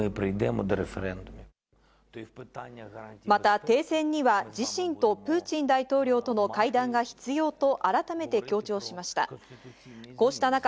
また停戦には自身とプーチン大統領との会談が必要と改めて強調しました。